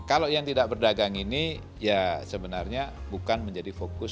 kalau yang tidak berdagang ini ya sebenarnya bukan menjadi fokus